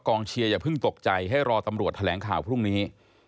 เชียร์อย่าเพิ่งตกใจให้รอตำรวจแถลงข่าวพรุ่งนี้